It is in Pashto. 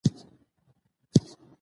عامه چارې د ټولنې پر سوکالۍ اغېز لري.